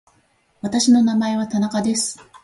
私の名前は田中です。